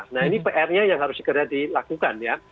nah ini pr nya yang harus segera dilakukan ya